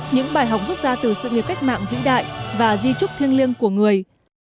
những bài học rút ra từ sự nghiệp cách mạng vĩ đại và di trúc thiêng liêng của người